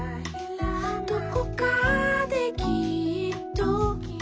「どこかできっと」